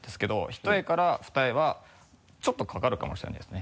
一重から二重はちょっとかかるかもしれないですね。